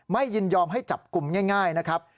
ยินยอมให้จับกลุ่มง่ายนะครับ